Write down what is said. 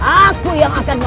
aku yang akan membuatmu diam